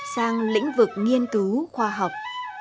sang lĩnh vực nghiên cứu khoa học